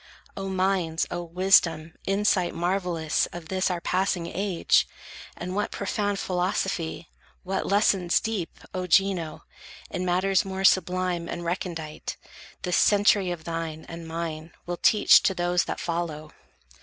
O minds, O wisdom, insight marvellous Of this our passing age! And what profound Philosophy, what lessons deep, O Gino, In matters more sublime and recondite, This century of thine and mine will teach To those that follow!